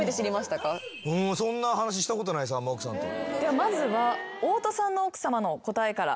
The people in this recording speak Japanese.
まずは太田さんの奥さまの答えから。